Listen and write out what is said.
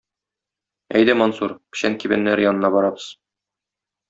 Әйдә, Мансур, печән кибәннәре янына барабыз!